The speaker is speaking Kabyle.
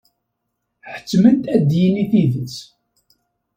Ḥettmen-t ad d-yini tidet.